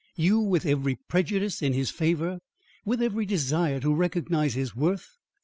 You with every prejudice in his favour; with every desire to recognise his worth!